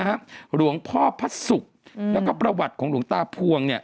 หลวงพ่อพระศุกร์แล้วก็ประวัติของหลวงตาพวงเนี่ย